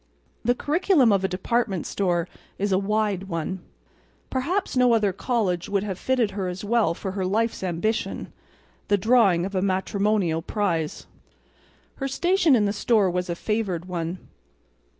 The curriculum of a department store is a wide one. Perhaps no other college could have fitted her as well for her life's ambition—the drawing of a matrimonial prize. Her station in the store was a favored one.